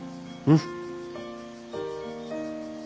うん。